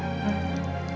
ya pak adrian